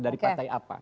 dari partai apa